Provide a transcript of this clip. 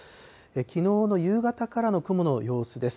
きのうの夕方からの雲の様子です。